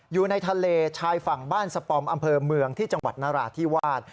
อยู่ในทะเลชายฝั่งบ้านสปอมอำเภอเมืองที่จังหวัดนราธิวาส